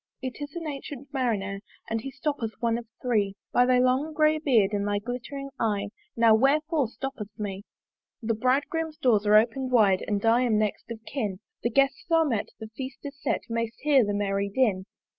It is an ancyent Marinere, And he stoppeth one of three: "By thy long grey beard and thy glittering eye "Now wherefore stoppest me? "The Bridegroom's doors are open'd wide "And I am next of kin; "The Guests are met, the Feast is set, "May'st hear the merry din.